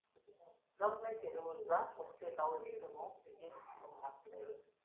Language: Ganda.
Gavumenti erowooza ku kuteekawo emisomo gy'ekikulu mu masomero.